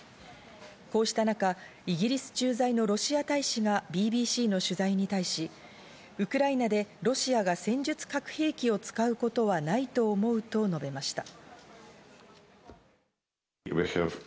こうした中、イギリス駐在のロシア大使がＢＢＣの取材に対し、ウクライナでロシアが戦術核兵器を使うことはないと思うと述べました。